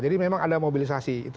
jadi memang ada mobilisasi